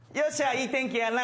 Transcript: いい天気やな。